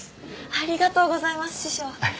ありがとうございます師匠。